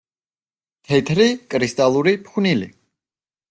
თეთრი კრისტალური ფხვნილი.